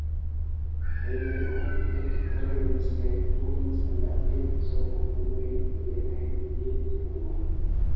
Heleno ektremis kaj turnis al la edzo okulojn, plenajn je teruro.